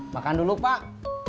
makan dulu pak